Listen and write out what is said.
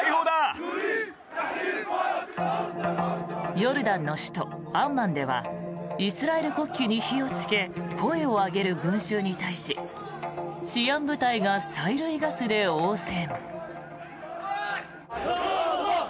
ヨルダンの首都アンマンではイスラエル国旗に火をつけ声を上げる群衆に対し治安部隊が催涙ガスで応戦。